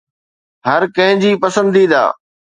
هر ڪنهن جي پسنديده